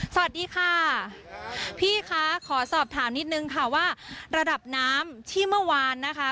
สวัสดีค่ะพี่คะขอสอบถามนิดนึงค่ะว่าระดับน้ำที่เมื่อวานนะคะ